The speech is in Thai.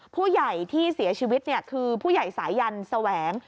ผู้ใหญ่ที่เสียชีวิตคือผู้ใหญ่สายันแสวง